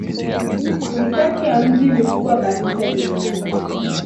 Ni kati ya miji mikubwa kabisa duniani.